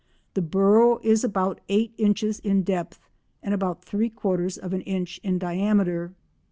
The burrow is about eight inches in depth and about three quarters of an inch in diameter.